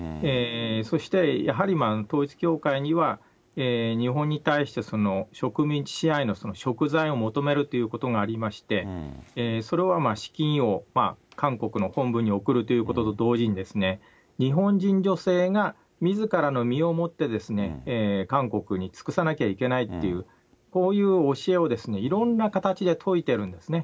そしてやはり統一教会には日本に対して、植民地支配のしょく罪を求めるということがありまして、それは資金を韓国の本部に送るということと同時に、日本人女性がみずからの身をもって、韓国に尽くさなきゃいけないという、こういう教えをいろんな形で説いてるんですね。